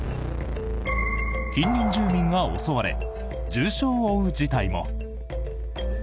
近隣住民が襲われ重傷を負う事態も。